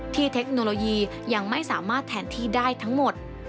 เทคโนโลยียังไม่สามารถแทนที่ได้ทั้งหมด